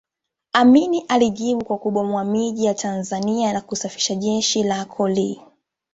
Amin alijibu kwa kubomoa miji ya Tanzania na kusafisha jeshi la Akoli